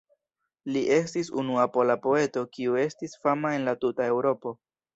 Li estis unua pola poeto kiu estis fama en la tuta Eŭropo.